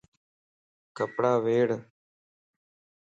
ڪپڙا ويڙھ